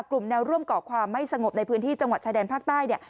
แนวร่วมก่อความไม่สงบในพื้นที่จังหวัดชายแดนภาคใต้เนี่ย